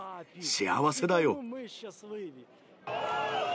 幸せだよ。